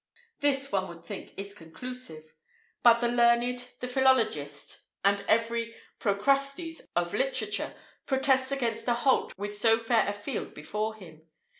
[IV 20] This, one would think, is conclusive; but the learned, the philologist, and every Procrustes of literature, protests against a halt with so fair a field before him.